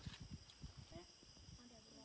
ไม่เอาแต่แบบนี้